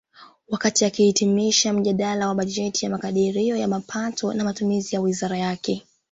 Wakati akihitimisha mjadala wa bajeti wa makadirio ya mapato na matumizi ya wizara yake